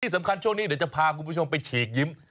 ที่สำคัญช่วงนี้เดี๋ยวจะพาคุณผู้ชมไปฉีกยิ้ม